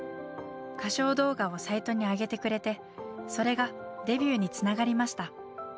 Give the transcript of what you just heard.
歌唱動画をサイトに上げてくれてそれがデビューにつながりました。